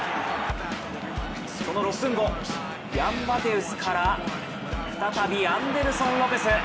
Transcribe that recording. その６分後、ヤン・マテウスから再びアンデルソン・ロペス。